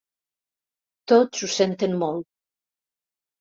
Tots ho senten molt.